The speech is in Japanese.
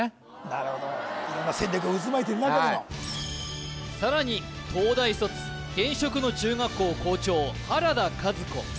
なるほど色んな戦略が渦巻いてる中でのさらに東大卒現職の中学校校長原田和子